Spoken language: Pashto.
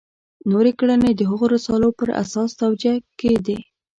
نورې کړنې د هغو رسالو پر اساس توجیه کېدې.